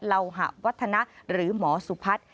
เหล่าหะวัฒนะหรือหมอสุพัฒน์